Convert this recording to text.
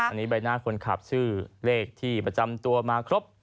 อันนี้ใบหน้าคนขับชื่อเลขที่ประจำตัวมาครบ